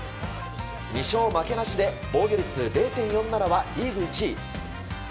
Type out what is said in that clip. ２勝負けなしで防御率０．４７はリーグ１位。